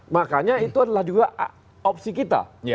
makanya itu adalah juga opsi kita